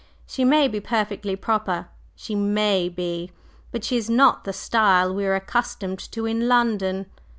She may be perfectly proper she may be but she is not the style we are accustomed to in London."